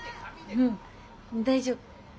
うん大丈夫。